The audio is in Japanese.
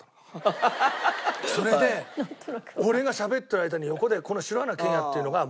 それで俺がしゃべってる間に横でこの篠原健也っていうのが。